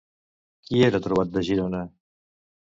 Qui era Trobat de Girona?